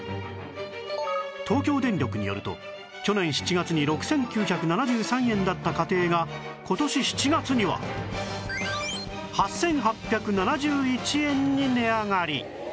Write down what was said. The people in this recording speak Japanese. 東京電力によると去年７月に６９７３円だった家庭が今年７月には８８７１円に値上がり